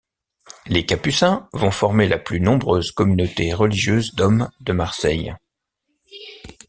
Les Capucins vont former la plus nombreuse communauté religieuse d'hommes de Marseille.